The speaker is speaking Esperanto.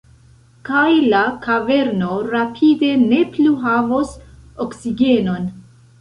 Kaj la kaverno rapide ne plu havos oksigenon.